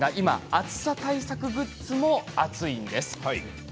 暑さ対策グッズも熱いんです。